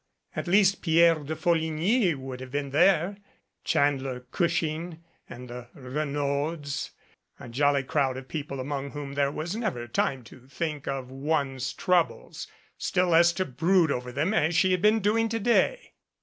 At least Pierre de Folligny would have been there Chandler Gushing, and the Renauds a jolly crowd of people among whom there was never time to think of one's troubles still less to brood over them as she had been doing to day.